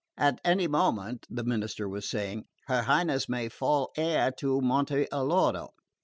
"At any moment," the minister was saying, "her Highness may fall heir to Monte Alloro.